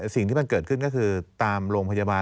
สิ่งที่มันเกิดขึ้นก็คือตามโรงพยาบาล